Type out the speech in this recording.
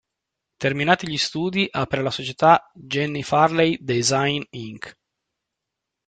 Terminati gli studi apre la società "Jenni Farley Design Inc".